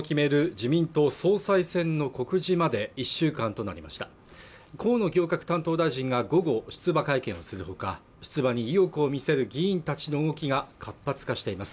自民党総裁選の告示まで１週間となりました河野行革担当大臣が午後出馬会見をするほか出馬に意欲を見せる議員たちの動きが活発化しています